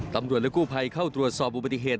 ตำรวจและกู้ภัยเข้าตรวจสอบอุบัติเหตุ